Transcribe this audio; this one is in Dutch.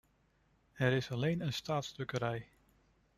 Er is alleen een staatsdrukkerij.